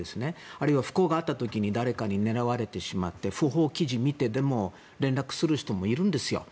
あるいは不幸があった時に誰かに狙われて訃報記事を見てでも連絡をする人もいるんですよ。